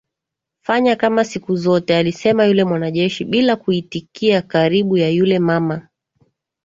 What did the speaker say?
fanya kama siku zote alisema yule mwanajeshi bila kuitikia karibu ya yule mama